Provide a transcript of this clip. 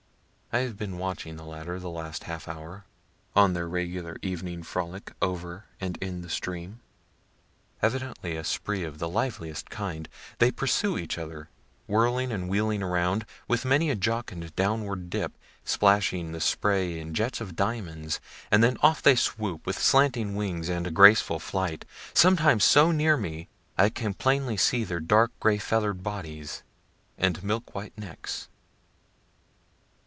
I have been watching the latter the last half hour, on their regular evening frolic over and in the stream; evidently a spree of the liveliest kind. They pursue each other, whirling and wheeling around, with many a jocund downward dip, splashing the spray in jets of diamonds and then off they swoop, with slanting wings and graceful flight, sometimes so near me I can plainly see their dark gray feather bodies and milk white necks.